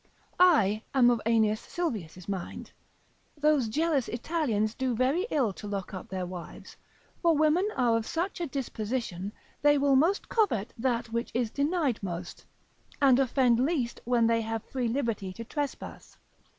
I am of Aeneas Sylvius' mind, Those jealous Italians do very ill to lock up their wives; for women are of such a disposition, they will most covet that which is denied most, and offend least when they have free liberty to trespass.